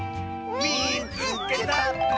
「みいつけた！」。